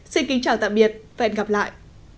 xin kính chào tạm biệt và hẹn gặp lại